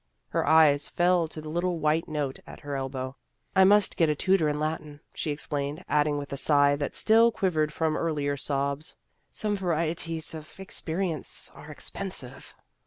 Her eyes fell to the little white note at her el bow. " I must get a tutor in Latin," she explained, adding with a sigh that still quivered from earlier sobs, " Some varie ties of experience are expensive."